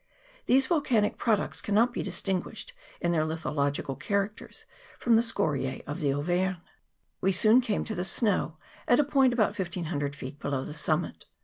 These volcanic pro ducts cannot be distinguished in their lithological characters from scoriae of the Auvergne. We soon came to the snow, at a point about 1500 feet below the summit.